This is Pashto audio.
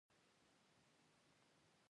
دوی ته یې برګ برګ کتل سخت په غوسه و.